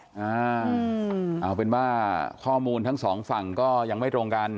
เอาเป็นว่าข้อมูลทั้งสองฝั่งก็ยังไม่ตรงกัน